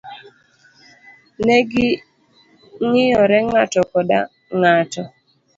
Negi ngiyore ng'ato koda ng' ato.